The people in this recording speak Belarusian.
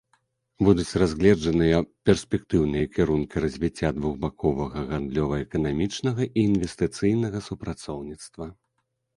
Будуць разгледжаныя перспектыўныя кірункі развіцця двухбаковага гандлёва-эканамічнага і інвестыцыйнага супрацоўніцтва.